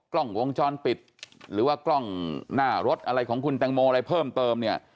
กล้องวงจรปิดหรือว่ากล้องหน้ารถอะไรของคุณแตงโมอะไรเพิ่มเติมเนี่ย